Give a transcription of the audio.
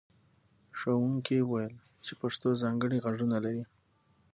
ښوونکي وویل چې پښتو ځانګړي غږونه لري.